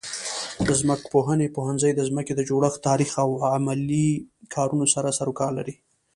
د ځمکپوهنې پوهنځی د ځمکې د جوړښت، تاریخ او عملي کارونو سره سروکار لري.